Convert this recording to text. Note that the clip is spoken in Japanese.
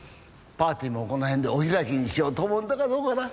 パーティーもこの辺でお開きにしようと思うんだがどうかな？